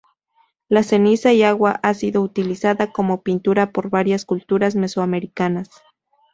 La ceniza y agua ha sido utilizada como pintura por varias culturas mesoamericanas.